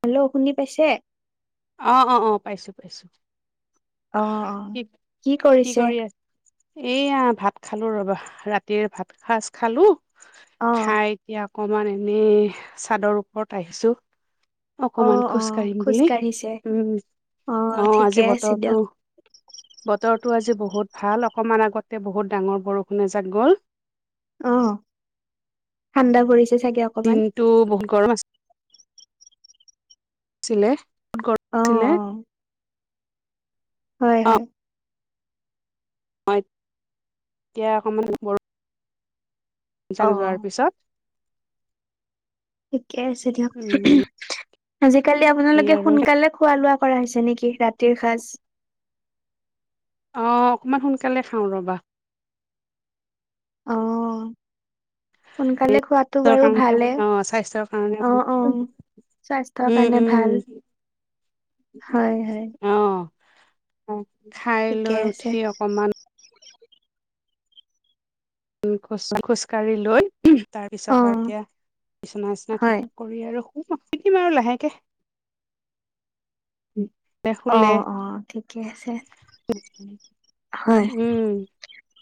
Hello শুনি পাইছে? অ অ অ পাইছো - পাইছো। অ অ কি কৰিছে? এয়া ভাত খালো ৰবা ৰাতিৰ ভাত সাঁজ খালো। অ', খাই এতিয়া অকমান এনেই চাদৰ ওপৰত আহিছো। অ', অকমান খোজ অ', কাঢ়িম বুলি। কাঢ়িছে। উম অ ঠিকে আজি আছে দিয়ক। বতৰটো বতৰ টো আজি বহুত ভাল অকণমান আগতে বহুত ডাঙৰ বৰষুণে এ যাক গ'ল। অ ঠাণ্ডা পৰিছে। চাগে অকমান। দিনতটো বহুত গৰম আছে ছিলে কত অ', কৰিছিলে [inaudible] অ', হয় হয়। মই এতিয়া অকমান বৰ চাগ যোৱাৰ অ'। পিছত থিকে আছে দিয়ক উম আজিকালি কি আপোনালোকে আৰু সোনকালে খুৱালো কৰা হৈছে নেকি ৰাতিৰ সাঁজ? অ' অকমান সোনকালে খাওঁ ৰ'বা। অঁ। সোনকালে খোৱাতটো স্বাস্থ্যৰ বাৰু কাৰণে ভালে অ স্বাস্থ্যৰ অ'- অ' কাৰণে স্বাস্থ্যৰ কাৰণে ভাল। হয়, হয়, অঁ। খাই ঠিকে লৈ আছে। উঠি অকমান উ খোজ খোজকাঢ়ি লৈ তাৰ পিছত আৰু অ', এতিয়া বিচনা নিচিনা হয়। ঠিক কৰি আৰু শিকিম আৰু লাহেকে। উম। [unintelligible] অ', শুলে, অ', ঠিকে আছে। হয়। উম।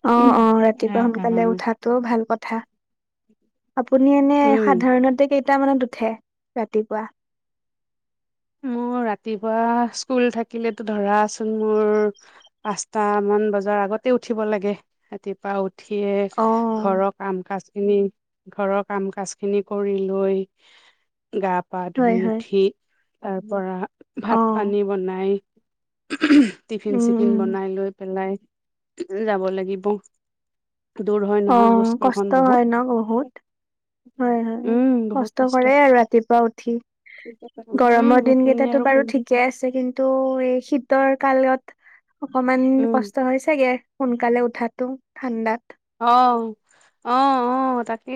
অ অ [unintelligible] ৰাতিপুৱা সোনকালে উঠাটো ভাল কথা আপুনি এনে উম, সাধাৰণতে কেইটামানত উঠে ৰাতিপুৱা? [inaudible] মোৰ ৰাতিপুৱা স্কুল থাকিলেটো ধৰাচোন মোৰ পাঁচটা মান বজাৰ আগত তে উঠিব লাগে, ৰাতিপুৱা উঠিয়ে অ ঘৰৰ কাম কাজ ঘৰৰ কাম কাজ খিনি কৰি লৈ গা পা হয় ধুই হয় উঠি তাৰ পৰা অ ভাত পানী বনাই টিফিন উম চিফিন উম বনাই লৈ পেলাই যাব লাগিব। দূৰ হয় অ নহয় মোৰ কষ্ট স্কুলখন হয় ন বহুত। হয়, হয়। উম বহুত কষ্ট কৰে আৰু ৰাতিপুৱা উঠি উম গৰমৰ সেইখিনি দিনকেইটাতো আৰু বাৰু কৰি ঠিকে আছে। কিন্তু এই শীতৰ কালত অকমান উম কষ্ট হৈছেগে, সোনকালে উঠাটো ঠাণ্ডাত। আহ' অ', অ' তাকে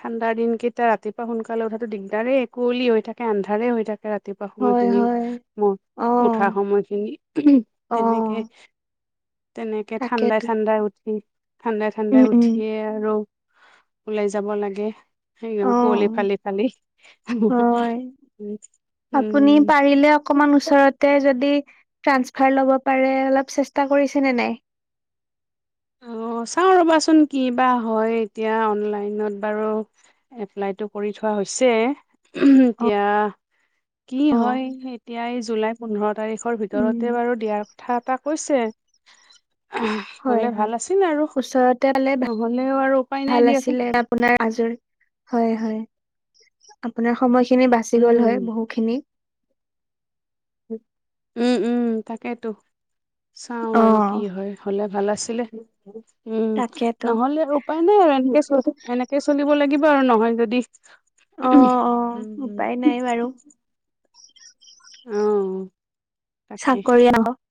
ঠাণ্ডা দিনকেইটা ৰাতিপুৱা সোনকালে উঠাটো দিগদাৰে। কুৱলি হৈ থাক, তে আন্ধাৰে হৈ থাকে ৰাতিপুৱা হয় সময়খিনি, হয় ম অ উঠা সময়খিনি অ তেনেকে। তেনেকে তাকেতো ঠাণ্ডাই-ঠাণ্ডাই উঠি, উম ঠাণ্ডাই-ঠাণ্ডাই উম উঠিয়ে আৰু ওলাই যাব লাগে। এই ন' কুঁৱলী অ ফালি-ফালি উম'। হয় আপুনি পাৰিলে অকমান ওচৰতে যদি ট্ৰান্সফাৰ ল'ব পাৰে, অলপ চেষ্টা কৰিছে নে নাই? অ' চাও ৰ'বাচোন, কি বা হয় এতিয়া, অনলাইনত বাৰু এপ্লাইটো কৰি থোৱা হৈছে। এতিয়া কি হয় এতিয়া। এই জুলাই পোন্ধৰ তাৰিখৰ উম, ভিতৰতে বাৰু দিয়াৰ কথা এটা কৈছে। হয়, হ'লে ভাল হয় আছিল আৰু ওচৰতে হলে নহ'লেও আৰু উপায় নাই ভাল দিয়াচোন আছিলে। আপোনাৰ জৰি আপোনাৰ সময় খিনি বাচি গল হয় উম বহু খিনি। উম', উম' তাকেইেতো, চাও আৰু কি অ', হয় হ'লে ভাল আছিলে। উম' তাকেতো নহলে আৰু উপায় নাই আৰু এনেকে-এনেকে চলিব লাগিব বাৰু নহয় যদি। অ', অ', উপায় হ' নাই বাৰু তাকে চাকৰি আহক [unintelligible]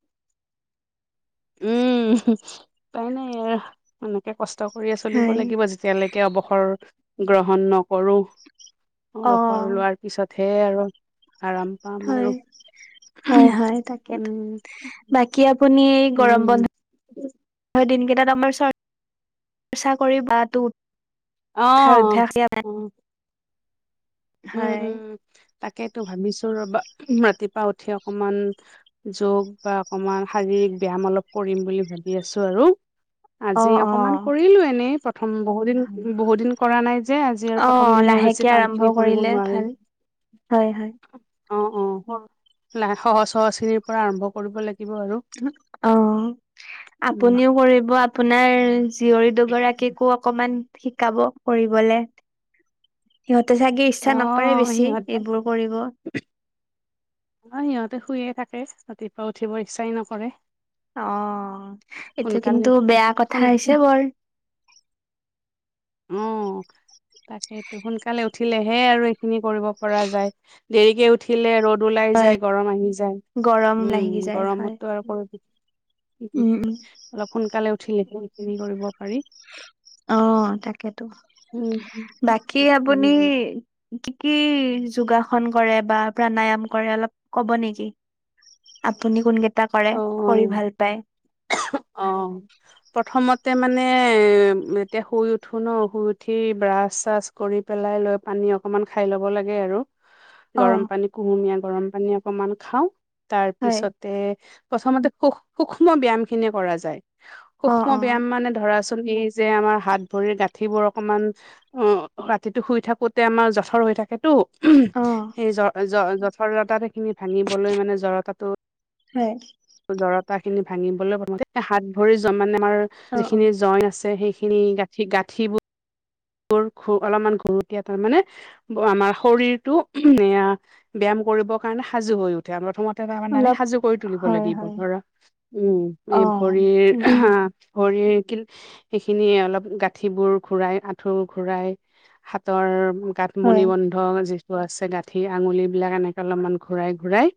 উম' উপাই নাই আৰু এনেকে কষ্ট কৰিয়ে চলিব হয় লাগিব যেতিয়ালৈকে অৱসৰ গ্ৰহণ নকৰো। অৱসৰ অ', লোৱাৰ পিছতহে আৰু আৰাম পাম হয় আৰু হয় উম'। শুনিয়ে [unintelligible] গৰম বন্ধ উম দিনকে [inaudible] তাত আমাৰ চৰ্চা কৰি বাটো [unintelligible] উঠাৰ আহ', অভ্যাস অ'। উম', হয় উম' তাকেইতো ভাবিছো ৰবা। ৰাতিপুৱা উঠি অকমান যোগ বা অকমান শাৰীৰিক ব্যাম অলপ কৰিম বুলি ভাবি আছো আৰু। আজি অ', অকমান অ'। কৰিলো এনেই প্ৰথম, বহু দিন-বহু দিন কৰা নাই যে আজি আৰু অ প্ৰথম দিনে বেছি লাহেকে টান আৰম্ভ খিনি কৰিব কৰিলে নোৱাৰিম ভাল হয়, হয়। অ', অ' সৰু সহজ সহজ খিনিৰ পৰা আৰম্ভ কৰিব লাগ। অ' আপুনিও কৰিব আপোনাৰ জীয়ৰী দুগৰাকীকো অকমান শিকাব কৰিবলে। সিহত ত চাগে অ ইচ্ছা নকৰে বেছি, সিহঁতে এইবোৰ কৰিব। তে শুয়ে থাকে। ৰাতিপুৱা উঠিব ইচ্ছাই নকৰে। অ' এইটো সোনকালে কিন্তু বেয়া কথা সোন হৈছে বৰ। উম' তাকেইটো সোনকালে উঠিলেহে আৰু এইখিনি কৰিব পৰা যায়। দেৰিকে উঠিলে ৰ'দ ওলাই যায়, গৰম আহি যায় গৰম লাগি উম' যায় হয় গৰমতো আৰু উম উম অলপ সোনকালে উঠিলেহে সেইখিনি কৰিব পাৰি। অ' তাকেতো, উম, বাকী আপুনি উম, কি-কি যোগাসন কৰে বা প্ৰাণায়াম কৰে অলপ ক'ব নেকি? আপুনি কোন কেই কৰে। কৰি অ', ভাল পায়। অ', প্ৰথমতে মানে উ' এতিয়া শুই উঠো ন' শুই উঠি ব্ৰাছ-চাছ কৰি পেলাই লৈ পানী অকমান খাই ল'ব লাগে আৰু অ গৰম পানী কুহুমীয়া গৰম পানী অকমান খাওঁ তাৰ হয় পিছতে প্ৰথমতে সুখ সূক্ষ্ম ব্যাম খিনিয়ে কৰা যায় অ সূক্ষ্ম অ ব্যাম মানে ধৰাচো হেই যে আমাৰ হাত ভৰি গাঁঠিবোৰ অকমান অ ৰাতিটো শুই থাকোতে আমাৰ জঠৰ হৈ থাকেটো অ সেই জ জ জঠৰতাখিনি ভাঙিবলৈ মানে জৰতাটো হয়। তা খিনি ভাঙিবলৈ প্ৰথমতে হাত ভৰি য মানে আমাৰ অ অ যিখিনি জইন আছে সেইখ খিনি গাঁঠি গাঁঠিবো বোৰ খু অলপমান ঘুৰতীয়া তাৰমানে আমাৰ শৰীৰটো এয়া বেয়াম কৰিব কাৰণে সাজু হৈ উঠে আমৰ থমত [unintelligible] নামি অলপ সাজু কৰি তুলিব হয় লাগিব হয় ধৰক অ উম এই উম ভৰিৰ উম আ ভৰিৰ কিল সেইখিনিয়ে অলপ গাঁঠিবোৰ ঘূৰাই আঁঠু ঘূৰাই হাতৰ কাঠমণি হয় বন্ধ যিটো আছে গাঁঠি আঙুলবিলাক এনেকে অলপমান ঘূৰাই ঘূৰাই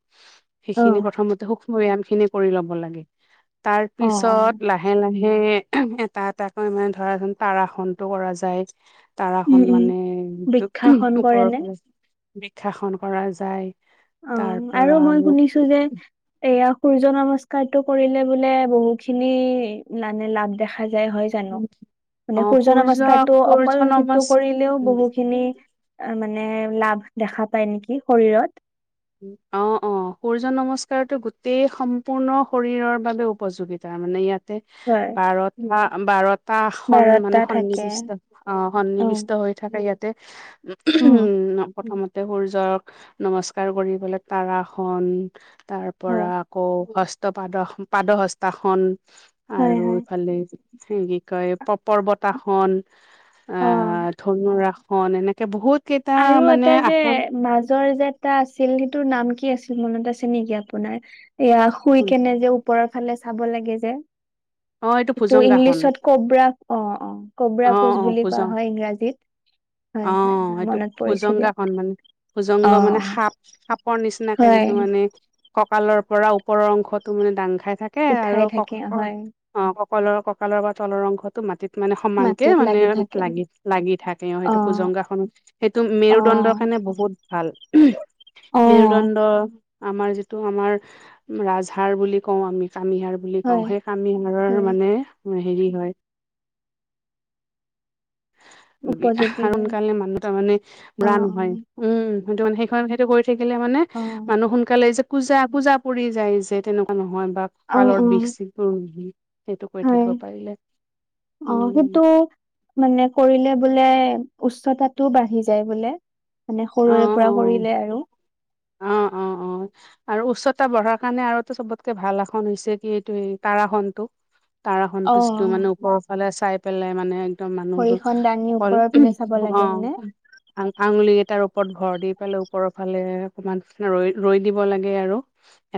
অ সেইখিনি প্ৰথমতে সূক্ষ্ম য়ানখিনি কৰি ল'ব লাগে। তাৰ অ অ পিছত লাহে লাহে এটা এটাকৈ মানে ধৰা ধোন তাৰাসনটো কৰা য যাই উম তাৰাসন উম মানে বৃক্ষাসন তোক কৰে ওপৰৰ নে ফালে বিক্ষাসন কৰা যায়। অ তাৰ আৰু পৰা মই শুনিছো যে এইয়া সূৰ্য নমস্কাৰটো কৰিলে বোলে বহু খিনি [unintelligible] খা যায় হয় জানো। অ মানে সূৰ্য নমস্কাৰটো অকল সূৰ্য সিটো নমস কৰিলেও বহুখিনি মানে লাভ দেখা পাই নেকি শৰীৰত। অ অ সূৰ্য নমস্কাৰতো গোটেই সম্পূৰ্ণ শৰীৰৰ বাবে উপযোগিতা। তা মানে ইয়াতে হয় বাৰত ভা বাৰত পা খন বাৰটা মানে থাকে সন্নিৱিষ্ট আহ অ সন্নিৱিষ্ট হৈ থাকে ইয়াতে। উম উ প্ৰথমতে সূৰ্যক নমস্ক কাৰ কৰি পেলাই তাৰাসন তাৰ হয় পৰা আকৌ হস্ত পাদ-পাদ সস্তাসন হয় আৰু হয় ইফালে সে কি কয়, পপৰ্বতাখন অ আহ, ধনুৰাস [unintelligible] এনেকে বহুত কেইটা আৰু মানে এটা যে আসন মাজৰ যে এটা আছিল সেইটোৰ নাম কি আছিল মনত আছে নেকি আপোনাৰ? এয়া শুই কেনে যে ওপৰত সেফালে চাব লাগে যে। অ এইটো ভুজংগাসন ইংলিছত কব্ৰা, অ', অ', কব্ৰা অ প'জ অ বুলি কোৱা ভুজং হয় ইংৰাজীত। হয় হয়। অ', হয় সেইটো মনত পৰিছে দিয়ক। সোজংগাসন মান, অ সোজংগ মানে অ সাপ-সাপৰ নিচিনাকে যিটো হয় মানে কঁকালৰ পৰা ওপৰৰ অংশতো মানে ডাং খাই থাকে আৰু উঠাই থাকে হয় [unintelligible] ককলৰ-কঁকালৰ পা তলৰ অংশতো মাটিত মানে সমানকে মাটিত মানে লাগি থাকে। লাগি-লাগি থাকে অ', সেইটো সোজংগা সন, সেইটো অ মেৰুদণ্ডৰ কাৰণে বহুত ভাল, অ মেৰুদণ্ড আমাৰ যিটো আমা, ৰ ৰাজহাৰ বুলি কওঁ আমি কামিহাৰ বুলি কওঁ হয় সেই কা [unintelligible] হাৰৰ হয় মানে হেৰি হয়। উপযোগী হয়। সোনকালে মানুহ তাৰমানে অ ব্ৰাণ হয়, উম। সেইটো মানে সেইখন সেইটো কৰি থাকিলে মানে অ মানুহ সোনকালে যে কুঁজা পূজা পৰি যায় যে, তেনেকুৱা নহয় বা অ অ কঁকালৰ অ [unintelligible] সেইটো কৰি হয়। থাকিব পাৰিলে, অ সেইটো উম। মানে কৰিলে বোলে, উচ্চতাটোও বাঢ়ি যায় বোলে। মানে অ সৰুৰে অ পৰা কৰিলে আৰু। অ', অ'। অ', আৰু উচ্চতা বঢ়াৰ কাৰণে আৰু এটা চবতকে ভাল আসন হৈছে কি এইটো তাৰাসনটো। তাৰ অ সন্তুষ্টটো মানে ওপৰৰ ফালে চাই পেলাই মানে তাৰ মানুহটো ভৰিখন দাঙি অকল ওপৰৰ পিনে চাব অ' লাগে হয়নে? আ আঙুলি কেইটাৰো ঘৰ দি পালে ওপৰৰ ফালে অকমান নিচিনা ৰৈ ৰৈ দিব লাগে আৰু।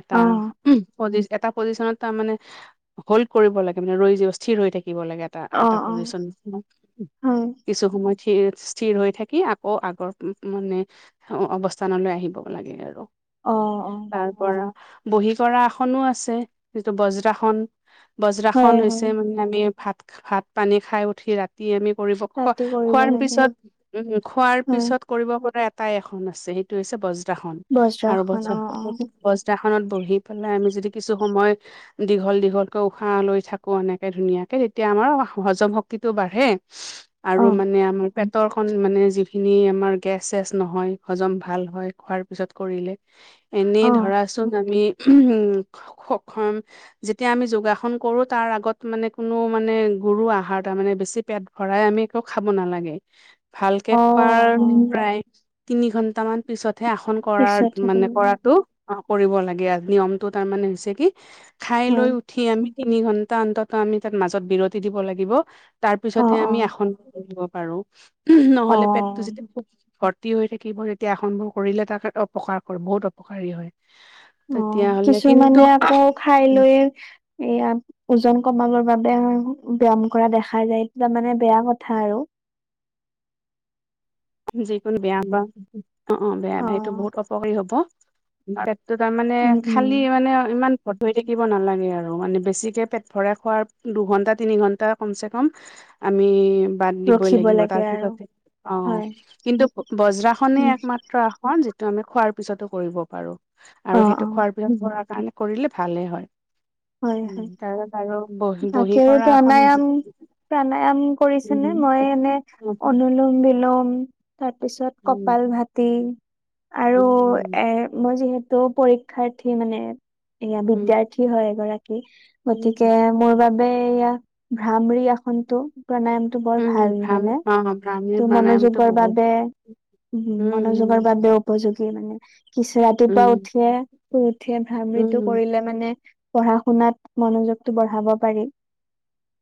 এটা অ পজি এটা পজিচনত তাৰ মানে হল্ড কৰিব লাগে, মানে ৰৈ যে স্থিৰ হৈ থাকে। থিকিব লাগে এটা - অ এটা অ পজিচন হয় কিছু সময় সিৰ স্থিৰ হৈ থাকি আকৌ আগৰ মানে অৱস্থানলৈ আহিব লাগে আৰু। অ অ তাৰ পৰা বহী কৰা আসনো আছে যিটো বজ্ৰাসন বজ্ৰখনন হয় হৈছে হয় মানে আমি ভাত ভাত পানী খাই উঠি ৰাতি আমি কৰিব খোৱা ৰাতি কৰিব খোৱাৰ লাগে পিছত উম খোৱাৰ হয় পিছত কৰিব পৰা এটাই এ আছে সেইটো হৈছে ব বা আৰু বজ বজ্ৰাসন অ অ বজ্ৰাখনত বহি পেলাই আমি যদি কিছু সময় দীঘল- দীঘলকৈ উশাহ লৈ থাকোঁ এনেকে ধুনীয়াকে তেতিয়া আমাৰ হজম শক্ত বাঢ় আৰু অ মানে মানে যিখ [inaudible] কেচ- চেচ নহয় হজম ভাল হয় খোৱাৰ পিছত কৰিলে এনেই অ ধৰাচোন আমি যেতিয়া আমি যোগাসন কৰোঁ তাৰ আগত মানে কোনো মানে গৰু আহাৰ তাৰ মানে বেছি পেট ভৰাই আমি একো খাব নালাগে। ভালকে অ খোৱাৰ অ প্ৰায় তিনি ঘন্ট মান পিছতহে আসন কৰাৰ পিছতহে মানে কৰিব লাগে কৰাটো অ কৰিব লাগে। নিয়মটো তাৰমানে হৈছে কি, খাই লৈ হয় উঠি আমি তিনি ঘন্টা অন্তত আমি তাত মাজত বিৰতি দিব লাগিব। তাৰ অ পিছতহে অ আমি আসন লাগিব। পাৰো। নহলে পেটটো অ যেতিয়া ভৰ্তি হৈ থাকিব, তেতিয়া আসন বোৰ কৰিলে তাকে অপকাৰ কৰে বহুত অপকাৰী হয়। অ। তেতিয়াহ'লে কিন্তু কিছুমানে আকৌ খাই লৈয়ে এয়া ওজন কমাবৰ বাবে ব্যাম কৰা দেখা যায়, তাৰ মানে বেয়া কথা আৰু। [inaudible] যিকোনো বেয়া বা, অ অ বেয়া বেয়া সেইটো বহুত অপকাৰী হ'ব। পে তটো তাৰমানে উম উম খালি মানে ইমান ত ধৰি থাকিব নালাগে আৰু। মানে বেছিকে পেট ভৰাই খোৱাৰ দুঘন্টা তিনি ঘন্টা কমচে কম আমি বাদ দিবই ৰখিব লাগিব। লাগে আৰু তাৰপিছতে অ। হয় কিন্তু বজ্ৰাখনেই উম একমাত্ৰ আসন, যিটো আমি খোৱাৰ পিছতো কৰিব পাৰো। অ আৰু অ সেইটো খোৱাৰ পিছত ভৰাৰ কাৰণে কৰিলে ভালে হয়। হয় উম, হয় তাৰছত আৰু বহি বাকী বহি আৰু কৰা আসন প্ৰাণায়াম প্ৰাণায়াম কৰিছে নে? উম মই এনে উম অনুলোম বিলোম, তাৰ পিছত কপাল উম ভতি। আৰু এ মই যিহে তো পৰীক্ষাৰ্থী মানে, এয়া উম উম বিদ্যাৰ্থী হয় এগৰাকী। গতিকে মোৰ বাবে এইয়া ভ্ৰামৰি আসনতটো প্ৰাণায়ামতটো বৰ উম ভাল উম নহয় ভ্ৰাম নে। অ ত ভ্ৰামীৰ প্ৰাণায়ামটো মনোযোগৰ বহুত বাবে উম মনোযোগৰ উম বাবেও উপযোগ গি মানে, কিছু ৰাতিপুৱা উম উঠিয়ে শুই উঠিয়ে উম ভ্ৰাৱিতো উম কৰিলে মানে পঢ়া শুনাত মনোযোগটো বঢ়াব পাৰি।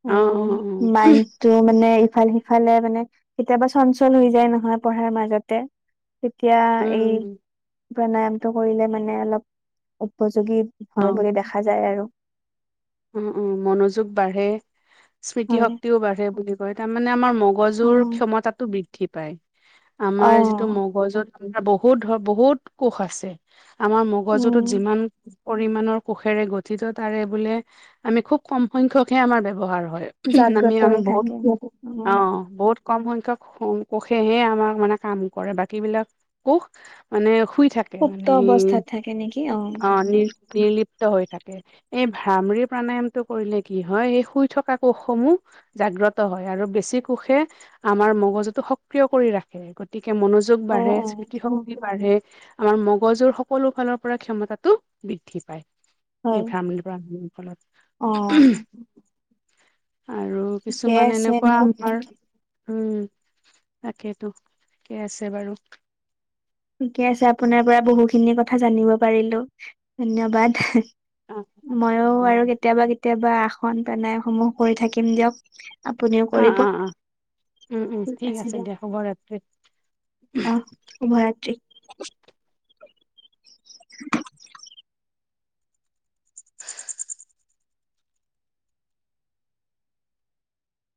অ অ আৰু মাইণ্ডটো মানে ইফাল-সিফালে মানে কেতিয়াবা চঞ্চল হৈ যায় নহয় পঢ়াৰ মাজতে। তেতিয়া অ উম এই উম প্ৰাণায়ামটো কৰিলে মানে অলপ উপ যোগী অ হয় বুলি দেখা যায় আৰু। উম উম, মনোযোগ বাঢ়ে, হয় স্মৃতিশক্তিও বাঢ়ে বুলি কয়, তাৰমানে আমাৰ অ'। মগজুৰ ক্ষমতাটো বৃদ্ধি পায়। আমাৰ যিটো অ', মগজুত আমাৰ বহুত ধৰ বহুত কোষ আছে, আমাৰ উম, মগজুটোত যিমান পৰিমাণৰ কোষেৰে গঠিত তাৰে বোলে আমি খুব কম সংখ্যকহে আমাৰ ব্যৱহাৰক। হয়, আমি জাগ্ৰত আমি হৈ বহুত থাকে। অ' বহুত কম সংখ্যক কোষেহে আমাক মানে কাম কৰে, বাকী বিলাক কোষ মানে শুই থাকে সুপ্ত মানে ই অৱস্থাত থাকে নেকি অ'। অহ, নি-নিৰ্লিপ্ত হৈ থাকে। এই ভামৰি প্ৰাণায়ামটো কৰিলে কি হয় এই শুই থকা কোষসমূহ জাগ্ৰত হয়। আৰু বেছি কোষ ষে আমাৰ মগজুতো সক্ৰিয় কৰি ৰাখে, গতিকে মনোযোগ অ', বাঢ়ে, অ', স্মৃতিশক্তি বাঢ়ে। আমাৰ মগজুৰ সকলো ফালৰ পৰা ক্ষমতাটো বৃদ্ধি পায়। ভ্ৰাম উম, ফলত অহ। আৰু কিছুমান, আছে এনেকুৱা দিয়ক। আমাৰ। উম, তাকেটো থিকে আছে বাৰু। ঠিকে আছে, আপোনাৰ পৰা বহুখিনি কথা জানিব পাৰিলো। ধন্যবাদ। অ ময়ো আৰু কেতিয়াবা কেতিয়াবা, আসন প্ৰেনায়মসমূহ কৰি থাকিম দিয়ক। আপুনিও অ কৰিব। অ অ উম উম ঠিক ঠিক আছে দিয়ক। দিয়া শুভ ৰাত্ৰি অহ, সময়ত। থিক। [unintelligible] [unintelligible]